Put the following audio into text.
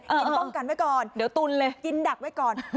กินป้องกันไว้ก่อนเดี๋ยวตุนเลยกินดักไว้ก่อน